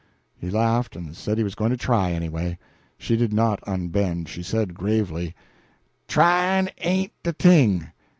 He laughed and said he was going to try, anyway. She did not unbend. She said gravely: "Tryin' ain't de thing.